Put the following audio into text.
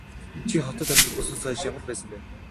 Чи хотод амьдрах болсноосоо хойш ямар байсан бэ?